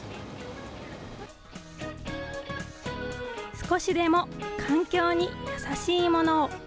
少しでも環境に優しいものを。